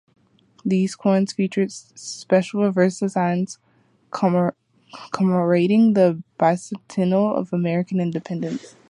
These coins featured special reverse designs commemorating the bicentennial of American independence.